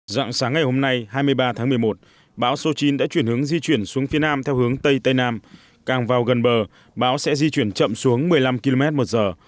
dạng sáng ngày hôm nay hai mươi ba tháng một mươi một bão số chín đã chuyển hướng di chuyển xuống phía nam theo hướng tây tây nam càng vào gần bờ bão sẽ di chuyển chậm xuống một mươi năm km một giờ